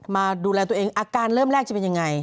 มาดูแลตัวเองอาการเริ่มแรกจะเป็นยังไง